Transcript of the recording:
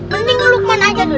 mending lukman aja dulu